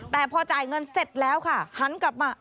แต่พอจ่ายเงินเสร็จแล้วค่ะหันกลับมา